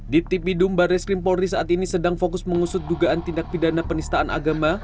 di tipidumbar reskrim polri saat ini sedang fokus mengusut dugaan tindak pidana penistaan agama